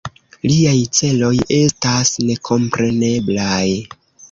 Liaj celoj estas nekompreneblaj.